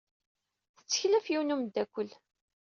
Tettkel ɣef yiwen n umeddakel.